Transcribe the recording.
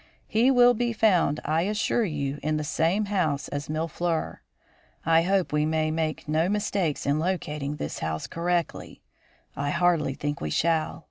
He will be found, I assure you, in the same house as Mille fleurs. I hope we may make no mistakes in locating this house correctly. I hardly think we shall.